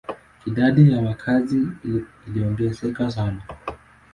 Idadi ya wakazi iliongezeka sana.